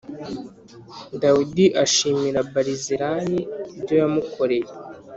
Dawidi ashimira Barizilayi ibyo yamukoreye